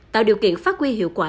tạo điều kiện phát quy hiệu quả